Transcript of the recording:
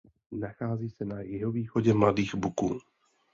Nachází se na jihovýchodě Mladých Buků.